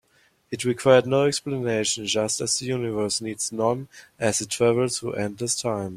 It required no explanation, just as the universe needs none as it travels through endless time.